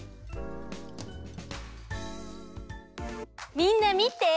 みんなみて！